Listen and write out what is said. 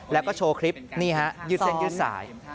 แล้วก็โชว์คลิปนี่ฮะยืดเส้นยืดสาย